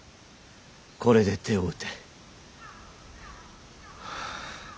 これで手を打て。